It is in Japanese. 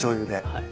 はい。